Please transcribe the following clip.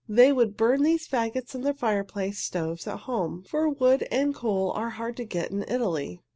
They would burn these fagots in their fireplace stoves at home, for wood and coal are hard to get in Italy.